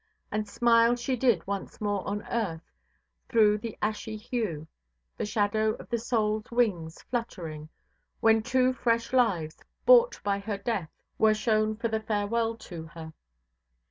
And smile she did once more on earth, through the ashy hue—the shadow of the soulʼs wings fluttering—when two fresh lives, bought by her death, were shown for the farewell to her.